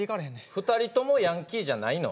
２人ともヤンキーじゃないの？